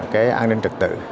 cái an ninh trực tự